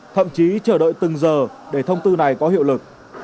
thậm chí chờ đợi từng giờ để thông tư này có hiệu lực